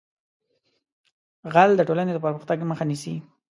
غل د ټولنې د پرمختګ مخه نیسي